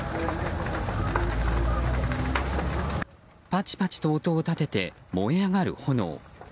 パチパチと音を立てて燃え上がる炎。